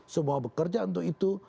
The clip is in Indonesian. semua bekerja untuk itu